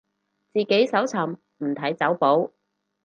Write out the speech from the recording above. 自己搜尋，唔睇走寶